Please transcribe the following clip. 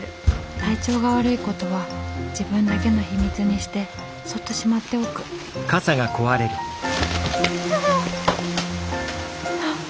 体調が悪いことは自分だけの秘密にしてそっとしまっておくはわ。